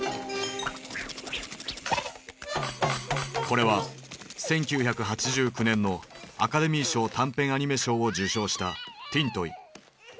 これは１９８９年のアカデミー賞短編アニメ賞を受賞した「ＴｉｎＴｏｙ」。